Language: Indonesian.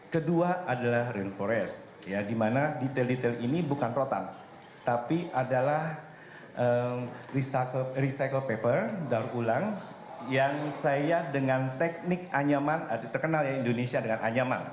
kedua adalah rainforest dimana detail detail ini bukan rotan tapi adalah recycle paper daur ulang yang saya dengan teknik anyaman terkenal ya indonesia dengan anyaman